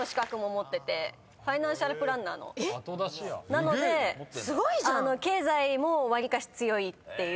なので経済もわりかし強いっていう。